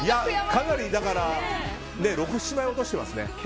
かなり６７枚落としてますね。